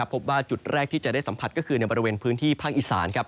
พบว่าจุดแรกที่จะได้สัมผัสก็คือในบริเวณพื้นที่ภาคอีสานครับ